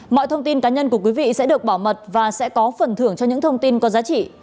mọi thông tin cá nhân của quý vị sẽ được bảo mật và sẽ có phần thưởng cho những thông tin có giá trị